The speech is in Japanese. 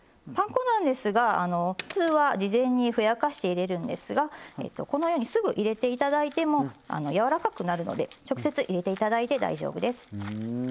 パン粉なんですが、普通は事前にふやかして入れるんですがこのようにすぐ入れていただいてもやわらかくなるので直接入れていただいて大丈夫です。